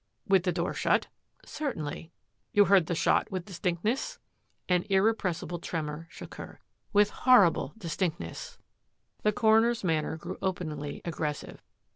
"With the door shut?" « Certainly." "You heard the shot with distinctness?" An irrepressible tremor shook her. " With hor rible distinctness!" 180 THAT AFFAIR AT THE MANOR The coroner's manner grew openly aggressive.